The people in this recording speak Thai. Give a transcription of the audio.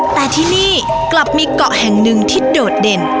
แต่ที่นี่กลับมีเกาะแห่งหนึ่งที่โดดเด่น